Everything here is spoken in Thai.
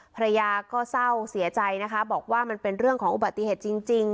ภรรยาก็เศร้าเสียใจนะคะบอกว่ามันเป็นเรื่องของอุบัติเหตุจริง